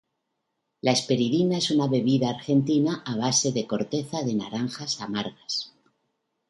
La Hesperidina es una bebida argentina a base de corteza de naranjas amargas